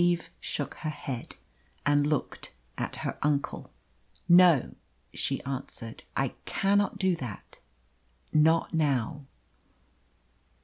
Eve shook her head and looked at her uncle. "No," she answered; "I cannot do that. Not now."